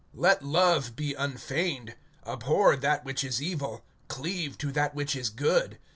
(9)Let love be unfeigned. Abhor that which is evil; cleave to that which is good.